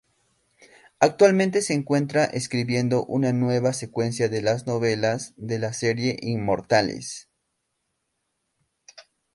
Actualmente se encuentra escribiendo una nueva secuencia de las novelas de la serie Inmortales.